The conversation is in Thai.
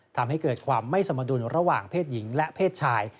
ทำให้เกิดความไม่สมดุลระหว่างเพศหญิงและเพศชาย